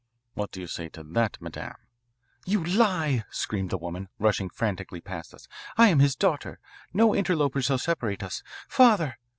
What do you say to that, madame?" "You lie," screamed the woman, rushing frantically past us. "I am his daughter. No interlopers shall separate us. Father!"